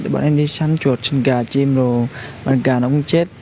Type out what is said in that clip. bọn em đi săn chuột chân cà chim rồi bàn cà nó cũng chết